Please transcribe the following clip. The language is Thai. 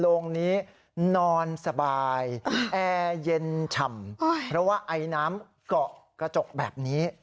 โรงนี้นอนสบายแอร์เย็นฉ่ำเพราะว่าไอน้ำเกาะกระจกแบบนี้